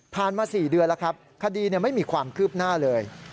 มา๔เดือนแล้วครับคดีไม่มีความคืบหน้าเลย